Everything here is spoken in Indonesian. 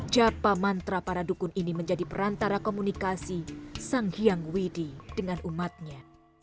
japa mantra para dukun ini menjadi perantara komunikasi sang hyang widi dengan umatnya